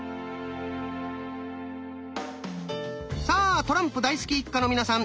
さあトランプ大好き一家の皆さん